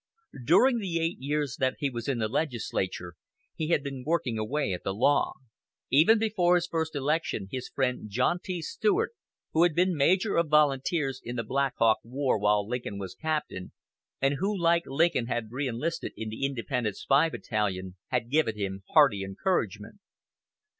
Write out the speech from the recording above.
During the eight years that he was in the legislature he had been working away at the law. Even before his first election his friend John T. Stuart, who had been major of volunteers in the Black Hawk War while Lincoln was captain, and who, like Lincoln, had reenlisted in the Independent Spy Battalion, had given him hearty encouragement.